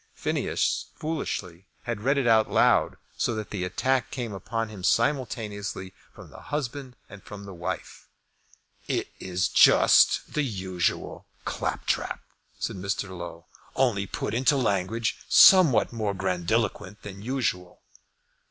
Phineas, foolishly, had read it out loud, so that the attack came upon him simultaneously from the husband and from the wife. "It is just the usual claptrap," said Mr. Low, "only put into language somewhat more grandiloquent than usual."